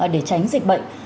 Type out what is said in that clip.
để tránh dịch bệnh